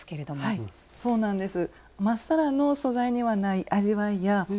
はいそうなんです。